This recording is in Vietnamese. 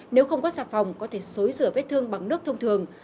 nếu không có sạp phòng có thể xối rửa vết thương bằng nước thông thường